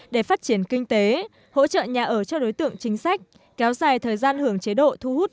để phát triển kinh tế hỗ trợ nhà ở cho đối tượng chính sách kéo dài thời gian hưởng chế độ thu hút